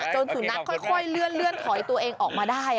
สุนัขค่อยเลื่อนถอยตัวเองออกมาได้